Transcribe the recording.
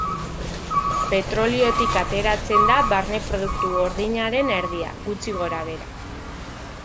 Petroliotik ateratzen da barne-produktu gordinaren erdia, gutxi gorabehera.